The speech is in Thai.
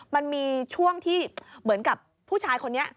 มันมีช่วงที่เหมือนกับผู้ชายคนนี้